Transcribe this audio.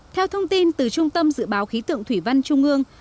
theo thông tin từ trung tâm dự báo khí tượng thủy văn trung ương